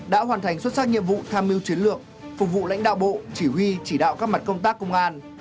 đã hoàn thành xuất sắc nhiệm vụ tham mưu chiến lược phục vụ lãnh đạo bộ chỉ huy chỉ đạo các mặt công tác công an